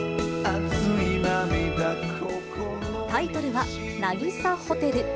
タイトルは、なぎさホテル。